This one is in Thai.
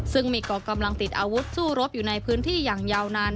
ซึ่งมีกองกำลังติดอาวุธสู้รบอยู่ในพื้นที่อย่างยาวนาน